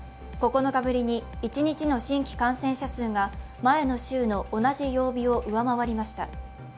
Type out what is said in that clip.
９日ぶりに一日の新規感染者数が前の週の同じ曜日を上回りました。